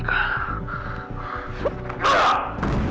sekarang lu ikut gua